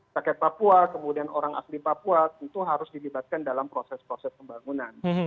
rakyat papua kemudian orang asli papua itu harus dilibatkan dalam proses proses pembangunan